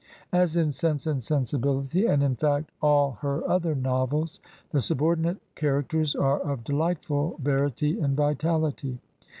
As in "Sense and Sensibihty," and in fact all her other novels, the subordinate charac ters are of delightful verity and vitality.